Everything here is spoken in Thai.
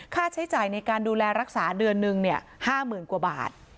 ค่าใช้จ่ายในการดูแลรักษาเดือนหนึ่ง๕๐๐๐กว่าบาท